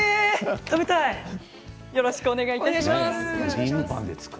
よろしくお願いします。